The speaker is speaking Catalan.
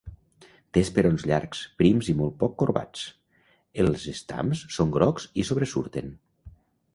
Té esperons llargs, prims i molt poc corbats, els estams són grocs i sobresurten.